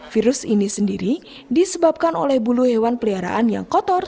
virus ini sendiri disebabkan oleh bulu hewan peliharaan yang kotor